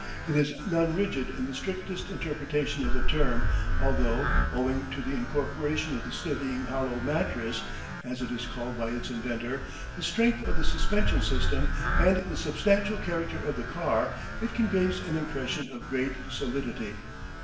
It is non rigid in the strictest interpretation of the term, although, owing to the incorporation of the steadying hollow "mattress" (as it is called by its inventor), the strength of the suspension system, and the substantial character of the car, it conveys an impression of great solidity.